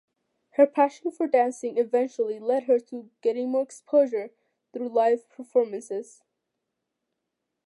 Her passion for dancing eventually led her to getting more exposure through live performances.